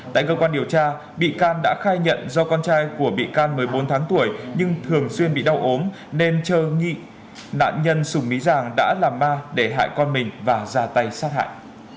tại cơ quan điều tra bị can đã khai nhận do con trai của bị can một mươi bốn tháng tuổi nhưng thường xuyên bị đau ốm nên trơ nạn nhân sùng mí giàng đã làm ma để hại con mình và ra tay sát hại